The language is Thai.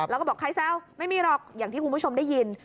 แล้วก็บอกใครแซวไม่มีหรอกอย่างที่คุณผู้ชมได้ยิน